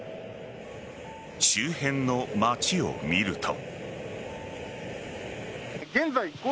周辺の街を見ると。